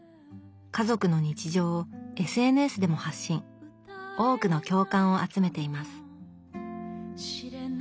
家族の日常をＳＮＳでも発信多くの共感を集めています